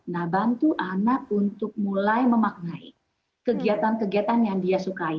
nah bantu anak untuk mulai memaknai kegiatan kegiatan yang dia sukai